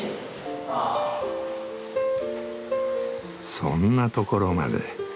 そんなところまで。